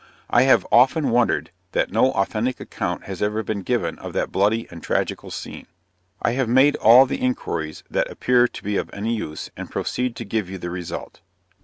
I have often wondered that no authentic account has ever been given of that bloody and tragical scene. I have made all the inquiries that appear to be of any use, and proceed to give you the result.